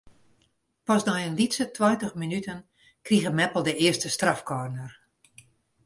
Pas nei in lytse tweintich minuten krige Meppel de earste strafkorner.